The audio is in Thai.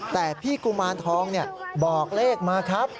แต่พี่กุมารทองบอกเลขมาครับ